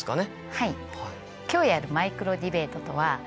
はい。